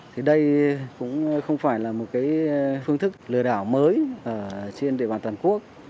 thì đây cũng không phải là một phương thức lừa đảo mới trên địa bàn toàn quốc